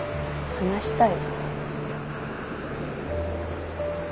話したい？